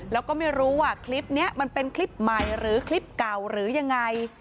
แล้วก็ไม่รู้ว่าคลิปนี้มันเป็นคลิปใหม่หรือคลิปเก่าหรือยังไง